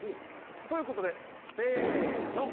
ということでせーの。